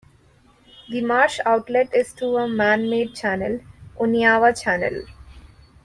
The marsh outlet is through a man-made channel, Oneawa Channel.